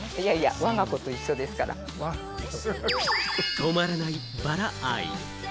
止まらないバラ愛。